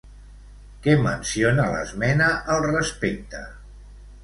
Què menciona l'esmena al respecte?